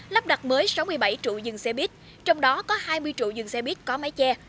lắp đặt mới sáu mươi bảy trụ dừng xe buýt trong đó có hai mươi trụ dừng xe buýt có máy che